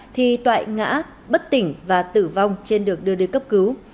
thì toại ngã bất tỉnh và tử vong trên đường đưa đưa cấp cứu